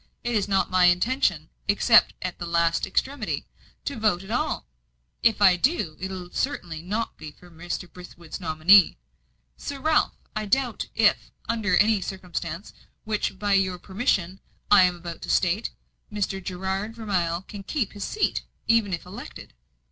It is not my intention, except at the last extremity, to vote at all. If I do, it will certainly not be for Mr. Brithwood's nominee. Sir Ralph, I doubt if, under some circumstances, which by your permission I am about to state, Mr. Gerard Vermilye can keep his seat, even if elected."